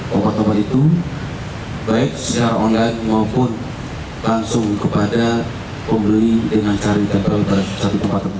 tempat tempat itu baik secara online maupun langsung kepada pembeli dengan cari tempat